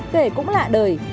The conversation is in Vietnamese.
kể cũng lạ đời